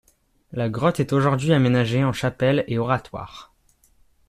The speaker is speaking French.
La grotte est aujourd’hui aménagée en chapelle et oratoire.